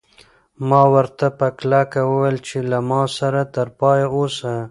ما ورته په کلکه وویل چې له ما سره تر پایه اوسه.